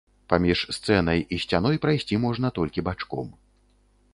Паміж сцэнай і сцяной прайсці можна толькі бачком.